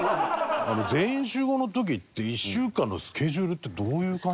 『全員集合』の時って１週間のスケジュールってどういう感じなんですか？